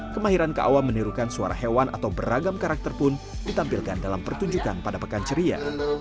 kemahiran kaawam menirukan suara hewan atau beragam karakter pun ditampilkan dalam pertunjukan pada pekan ceria